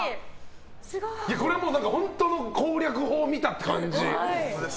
本当に攻略法を見たって感じ。